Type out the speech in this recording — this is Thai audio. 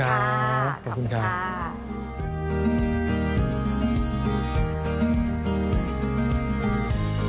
สวัสดีครับ